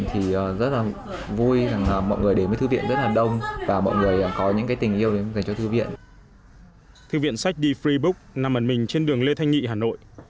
thư viện sách the free book nằm ẩn mình trên đường lê thanh nghị hà nội